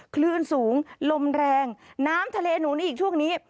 คลื่นสูงลมแรงน้ำทะเลหนุนนี้อีกช่วงนี้